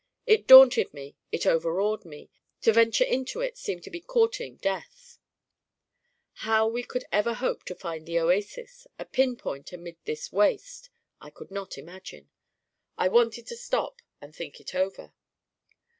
It daunted me — it overawed me; to venture into it seemed to be courting death; how we could ever hope to find the oasis — a pin point amid this waste — I could not imagine. I wanted to stop and think it over.